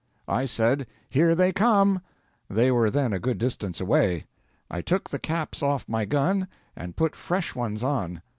I said, 'Here they come.' They were then a good distance away; I took the caps off my gun, and put fresh ones on.